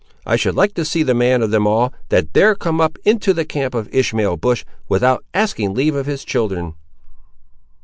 I should like to see the man, of them all, that dare come up into the camp of Ishmael Bush, without asking leave of his children!"